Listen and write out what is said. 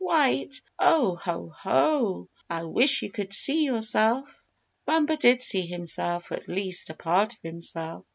White! Oh! Ho! Ho! I wish you could see yourself." Bumper did see himself, or, at least, a part of himself.